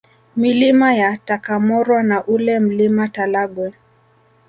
Milima ya Takamorwa na ule Mlima Talagwe